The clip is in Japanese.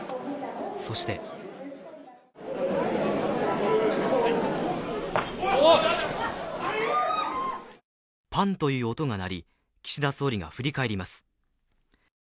そしてパンという音が鳴り、岸田総理が振り返ります。